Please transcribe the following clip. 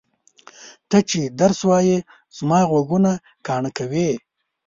ته چې درس وایې زما غوږونه کاڼه کوې!